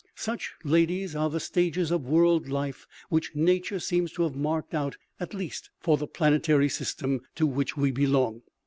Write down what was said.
Such, ladies, are the stages of world life which nature seems to have marked out, at least for the planetary system to which we belong.